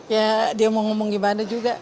ya dia mau ngomong gimana juga